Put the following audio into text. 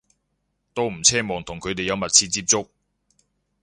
都唔奢望同佢哋有密切接觸